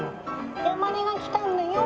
山根がきたんだよ！」